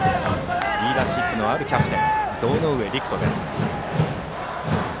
リーダーシップのあるキャプテンだという堂上陸翔。